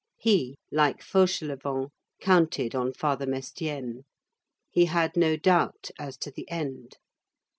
He, like Fauchelevent, counted on Father Mestienne. He had no doubt as to the end.